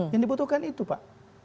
yang dibutuhkan itu pak